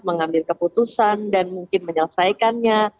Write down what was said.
mengambil keputusan dan mungkin menyelesaikannya